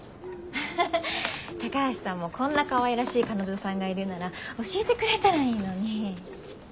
ハッハハ高橋さんもこんなかわいらしい彼女さんがいるなら教えてくれたらいいのに。